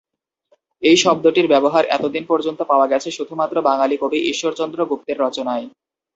এই শব্দটির ব্যবহার এতদিন পর্যন্ত পাওয়া গেছে শুধুমাত্র বাঙালি কবি ঈশ্বরচন্দ্র গুপ্তের রচনায়।